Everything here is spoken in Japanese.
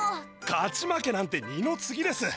勝ち負けなんて二の次です！